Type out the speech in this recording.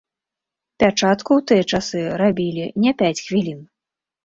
Пячатку ў тыя часы рабілі не пяць хвілін.